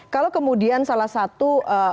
kalau kemudian salah satu